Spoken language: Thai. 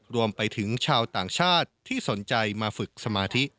รวมไปถึงชาวต่างชาติที่สนใจมาฝึกสมาธิ